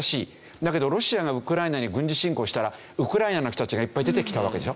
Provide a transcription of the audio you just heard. だけどロシアがウクライナに軍事侵攻したらウクライナの人たちがいっぱい出てきたわけでしょ。